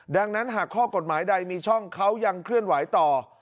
ดังนั้นหากข้อกฎหมายใดมีช่องเขายังเคลื่อนไหวต่อ